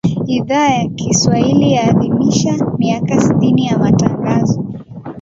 Idhaa ya Kiswahili yaadhimisha miaka sitini ya Matangazo.